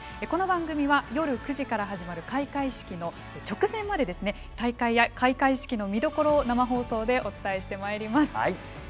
この番組は夜９時から始まる開会式の直前まで大会や開会式の見どころを生放送でお伝えしてまいります。